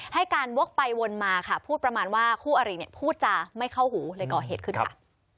ให้การวกไปวนมาค่ะพูดประมาณว่าคู่อริเนี่ยพูดจาไม่เข้าหูเลยก่อเหตุขึ้นค่ะ